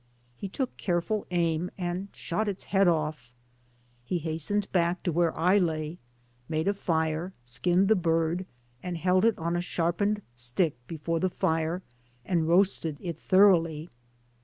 He took careful aim and shot its head off. He hastened back to where I lay, made a fire, skinned the bird, and held it on a sharpened stick before the fire and roasted it thorough ly.